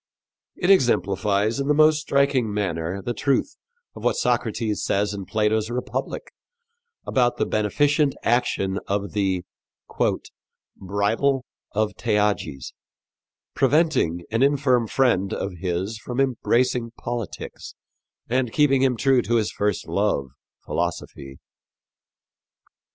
It exemplifies in the most striking manner the truth of what Socrates says in Plato's Republic about the beneficent action of the "bridle of Theages," preventing an infirm friend of his from embracing politics and keeping him true to his first love philosophy.